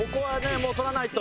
もうとらないと。